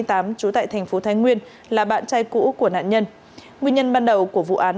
trú tại tp thái nguyên là bạn trai cũ của nạn nhân nguyên nhân ban đầu của vụ án